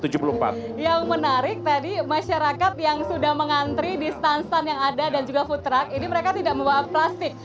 yang menarik tadi masyarakat yang sudah mengantri di stand stand yang ada dan juga food truck ini mereka tidak membawa plastik